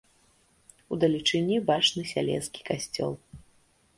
Удалечыні бачны сялецкі касцёл.